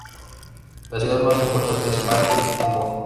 La ciudad más importante es Pati, en Moa.